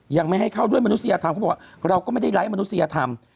ยังไม่ให้เข้าด้วยมนุษยธรรมเขาบอกว่าเราก็ไม่ได้ไร้มนุษยธรรม